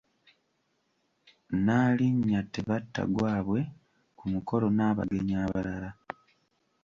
Nnaalinnya Tebattagwabwe ku mukolo n'abagenyi abalala.